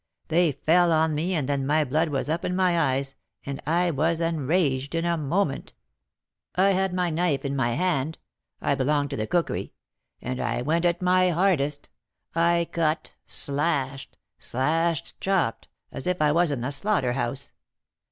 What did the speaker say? They fell on me, and then my blood was up in my eyes, and I was enraged in a moment. I had my knife in my hand I belonged to the cookery and I 'went it my hardest.' I cut, slashed, slashed, chopped, as if I was in the slaughter house.